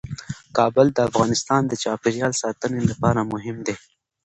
کابل د افغانستان د چاپیریال ساتنې لپاره مهم دي.